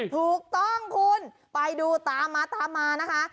ถูกต้องคุณไปดูตามมาตามมานะคะ